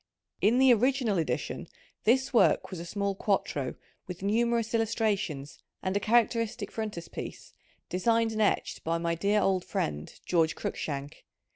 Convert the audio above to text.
In the original edition this work was a small quarto with numerous illustrations and a characteristic frontispiece, designed and etched by my dear old friend George Cruikshank.